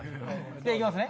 じゃあ行きますね。